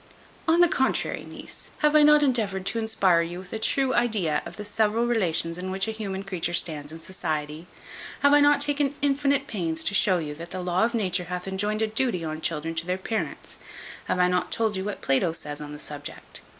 On the contrary, niece, have I not endeavoured to inspire you with a true idea of the several relations in which a human creature stands in society? Have I not taken infinite pains to show you, that the law of nature hath enjoined a duty on children to their parents? Have I not told you what Plato says on that subject?